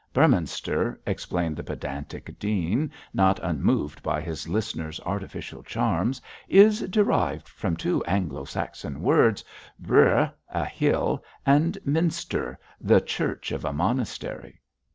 'Beorminster,' explained the pedantic dean, not unmoved by his listener's artificial charms, 'is derived from two Anglo Saxon words Bëorh a hill, and mynster the church of a monastery.